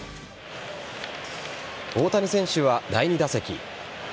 大谷選手は第２打席。